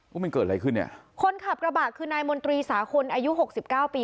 ว่ามันเกิดอะไรขึ้นเนี่ยคนขับกระบะคือนายมนตรีสาคลอายุหกสิบเก้าปี